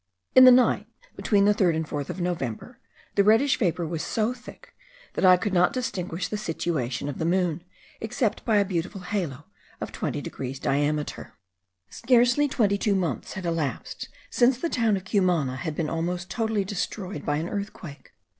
In the night between the 3rd and 4th of November the reddish vapour was so thick that I could not distinguish the situation of the moon, except by a beautiful halo of 20 degrees diameter. Scarcely twenty two months had elapsed since the town of Cumana had been almost totally destroyed by an earthquake.